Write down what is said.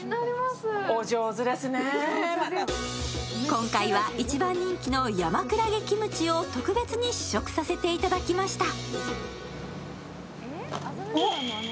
今回は一番人気の山クラゲキムチを特別に試食させていただきました。